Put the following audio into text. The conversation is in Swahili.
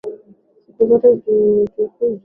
Siku zote utukuzwe.